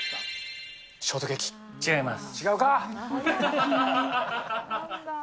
違います。